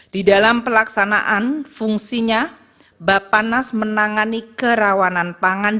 di dalam pelaksanaan fungsinya bapak nas menangani kerawanan pangan